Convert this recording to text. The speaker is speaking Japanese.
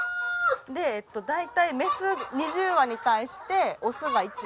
で大体メス２０羽に対してオスが１羽。